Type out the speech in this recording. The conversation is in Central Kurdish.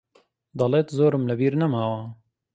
دەڵێت زۆرم لەبیر نەماوە.